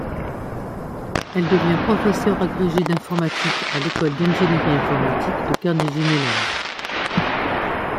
Elle devient professeure agrégée d'informatique à l'école d’ingénierie informatique de Carnegie Mellon.